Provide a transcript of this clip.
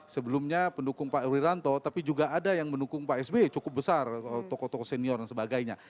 sebelumnya pendukung pak wiranto tapi juga ada yang mendukung pak sby cukup besar tokoh tokoh senior dan sebagainya